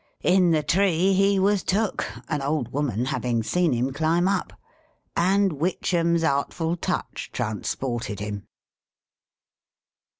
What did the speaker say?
In the tree he was took — an old woman having seen him climb up — and Witchem's artful touch transported him